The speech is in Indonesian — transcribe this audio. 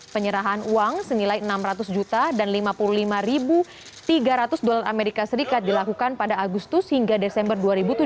penyerahan uang senilai enam ratus juta dan lima puluh lima tiga ratus dolar as dilakukan pada agustus hingga desember dua ribu tujuh belas